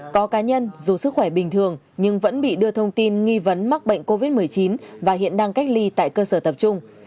có cá nhân dù sức khỏe bình thường nhưng vẫn bị đưa thông tin nghi vấn mắc bệnh covid một mươi chín và hiện đang cách ly tại cơ sở tập trung